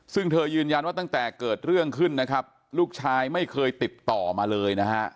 ซึ่งเธอยืนยันว่าตั้งแต่เกิดเรื่องขึ้นนะครับลูกชายไม่เคยติดต่อมาเลยนะฮะ